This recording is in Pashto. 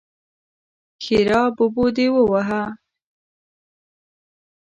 ښېرا: ببو دې ووهه!